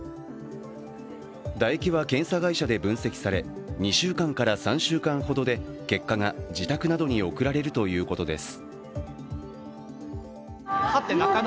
唾液は検査会社で分析され２週間から３週間ほどで、結果が自宅などに送られるということです。